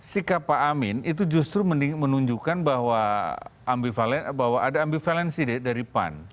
sikap pak amin itu justru menunjukkan bahwa ada ambivalensi dari pan